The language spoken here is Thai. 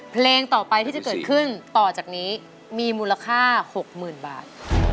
เพลงต่อไปที่จะเกิดขึ้นต่อจากนี้มีมูลค่า๖๐๐๐บาท